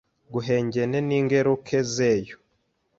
guhengene n’ingeruke zeyo.